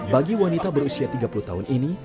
bagi wanita berusia tiga puluh tahun ini